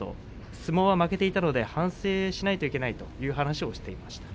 相撲は負けていたので反省しないといけないという話をしていました。